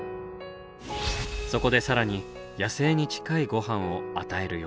そこで更に野生に近いごはんを与えるように。